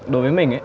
đối với mình ấy